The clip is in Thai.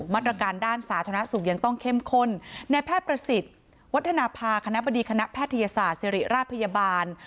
มาตรการด้านสาธารณสุขยังต้องเข้มข้นในแพทย์ประสิทธิ์วัฒนภาคณะบดีคณะแพทยศาสตร์ศิริราชพยาบาล